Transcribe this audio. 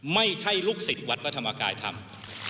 ไม่ใช่ลูกศิษย์วัดพระธรรมกายธรรม